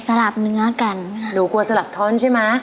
โปรดติดตามต่อไป